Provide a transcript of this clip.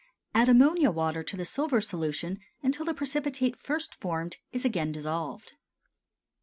Add ammonia water to the silver solution until the precipitate first formed is again dissolved.